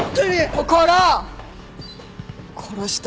心を殺した。